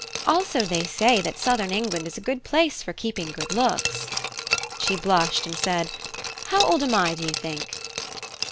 Also they say that southern England is a good place for keeping good looks." She blushed and said: "How old am I, do you think?"